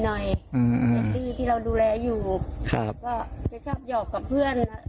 แท็กซี่ที่เราดูแลอยู่ครับก็จะชอบหยอกกับเพื่อน